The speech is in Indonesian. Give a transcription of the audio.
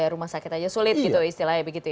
rumah sakit aja sulit gitu istilahnya begitu ya